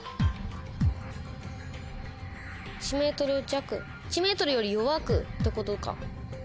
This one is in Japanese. １ｍ弱１ｍより弱くってことか。